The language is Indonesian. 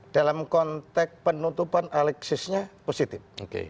dalam konteks penutupan alexisnya positif